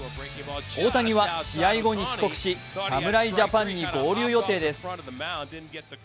大谷は試合後に帰国し侍ジャパンに合流予定です。